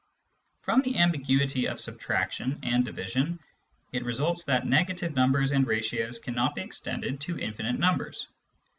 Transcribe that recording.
From the ambiguity of subtraction and division it results that negative numbers and ratios cannot be extended to infinite numbers.